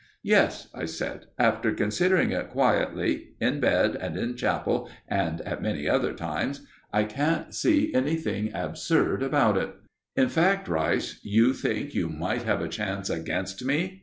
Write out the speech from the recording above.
"Yes," I said. "After considering it quietly in bed and in chapel and at many other times I can't see anything absurd about it." "In fact, Rice, you think you might have a chance against me?"